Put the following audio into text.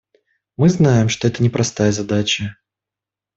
Мы знаем, что это непростая задача.